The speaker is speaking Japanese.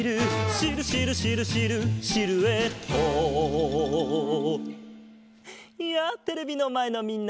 「シルシルシルシルシルエット」やあテレビのまえのみんな！